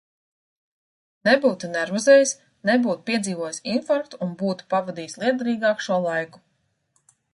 Nebūtu nervozējis, nebūtu piedzīvojis infarktu un būtu pavadījis lietderīgāk šo laiku.